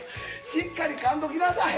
しっかりかんどきなさい」